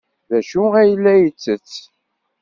D acu ay la yettett?